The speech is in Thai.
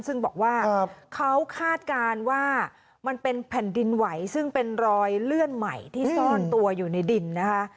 ซึ่งบอกว่าเขาคาดการณ์ว่ามันเป็นแผ่นดินไหวซึ่งเป็นรอยเลื่อนใหม่ที่ซ่อนตัวอยู่ในดินนะคะ